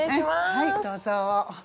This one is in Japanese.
はいどうぞ。